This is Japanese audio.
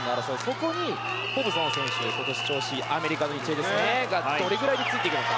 そこにホブソン選手今年、調子のいいアメリカの１泳の選手がどれぐらいでついていくか。